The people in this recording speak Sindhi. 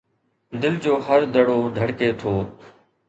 دل جو هر دڙو ڌڙڪي ٿو